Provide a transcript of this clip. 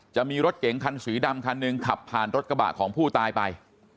จะมีรถเก๋งคันสีดำคันหนึ่งขับผ่านรถกระบะของผู้ตายไป